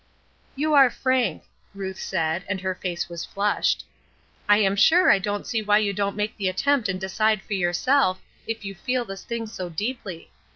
"You are frank," Ruth said, and her face was flushed. "I am sure I don't see why you don't make the attempt and decide for yourself, if you feel this thing so deeply.